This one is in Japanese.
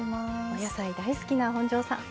お野菜大好きな本上さん。